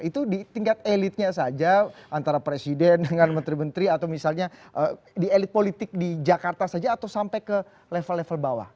itu di tingkat elitnya saja antara presiden dengan menteri menteri atau misalnya di elit politik di jakarta saja atau sampai ke level level bawah